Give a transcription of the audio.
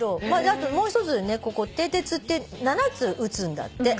あともう一つここてい鉄って７つ打つんだって。